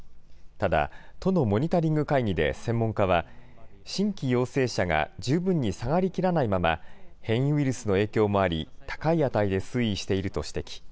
ただ、都のモニタリング会議で専門家は、新規陽性者が十分に下がりきらないまま、変異ウイルスの影響もあり、高い値で推移していると指摘。